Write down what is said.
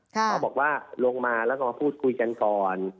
เขาบอกว่าลงมาแล้วก็มาพูดคุยกันก่อน